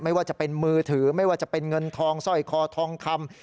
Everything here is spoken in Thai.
ไม่ว่าจะเป็นมือถือไม่ว่าจะเป็นเงินทองสร้อยคอทองคำ